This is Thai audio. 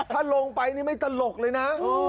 ถ้าลงไปนี่ไม่ตลกเลยนะ